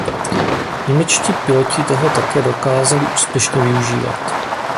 Němečtí piloti toho také dokázali úspěšně využívat.